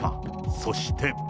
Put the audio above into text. そして。